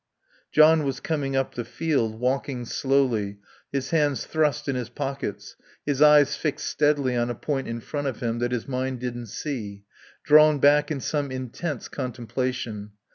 John was coming up the field, walking slowly, his hands thrust in his pockets, his eyes fixed steadily on a point in front of him that his mind didn't see, drawn back in some intense contemplation.